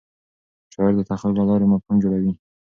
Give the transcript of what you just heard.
شاعر د تخیل له لارې مفهوم جوړوي.